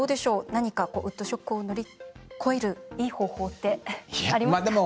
何かウッドショックを乗り越えるいい方法ってありますか？